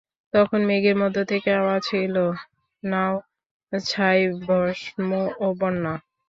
তখন মেঘের মধ্য থেকে আওয়াজ এল, নাও, ছাই-ভস্ম ও বন্যা।